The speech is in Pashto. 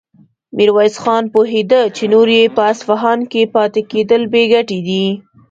ميرويس خان پوهېده چې نور يې په اصفهان کې پاتې کېدل بې ګټې دي.